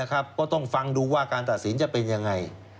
ก็ต้องฟังดูว่าการตัดสินจะเป็นยังไง